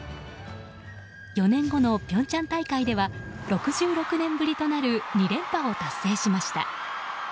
４年後の平昌大会では６６年ぶりとなる２連覇を達成しました。